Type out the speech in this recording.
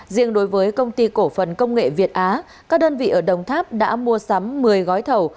riêng đối với công ty cổ phần công nghệ việt á các đơn vị ở đồng tháp đã mua sắm một mươi gói thầu